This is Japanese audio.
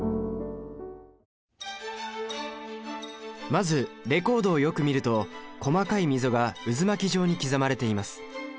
まずレコードをよく見ると細かい溝が渦巻き状に刻まれています。